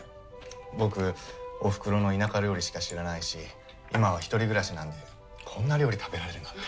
僕おふくろの田舎料理しか知らないし今は１人暮らしなんでこんな料理食べられるなんて。